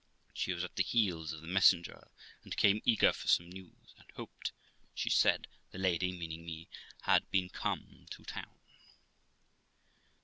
She was at the heels of the messenger, and came eager for some news ; and hoped, she said, the lady ( meaning me) had been come to town.